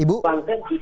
lalu semua orang habis